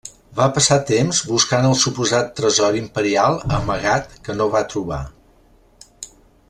Va passar temps buscant el suposat tresor imperial amagat que no va trobar.